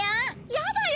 やだよ